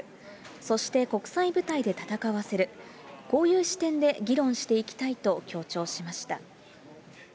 そして国際舞台で戦わせる、こういう視点で議論していきたいと強調しました。